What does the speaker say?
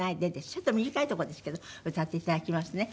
ちょっと短いとこですけど歌って頂きますね。